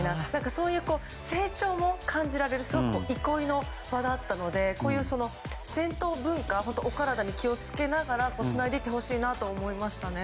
そういう成長も感じられる憩いの場だったのでこういう銭湯文化お体に気を付けながらつないでいってほしいなと思いました。